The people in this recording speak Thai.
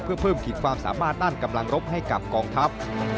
เพื่อเพิ่มขีดความสามารถด้านกำลังรบให้กับกองทัพ